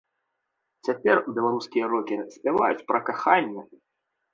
Цяпер беларускія рокеры спяваюць пра каханне.